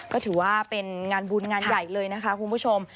ก็ถือว่าเป็นงานบุญงานใหญ่เลยนะคะคุณผู้ชม